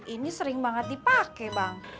ini sering banget dipakai bang